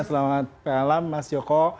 selamat malam mas joko